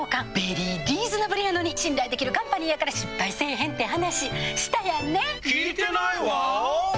ベリーリーズナブルやのに、信頼できるカンパニーやから、失敗せ聞いてないわ。